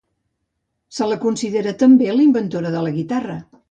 Se la considera també inventora de la guitarra.